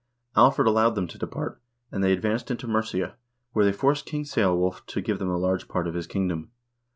Alfred allowed them to depart, and they advanced into Mercia, where they forced King Ceolwulf to give them a large part of his kingdom.